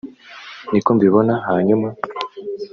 ni ko mbibona hanyuma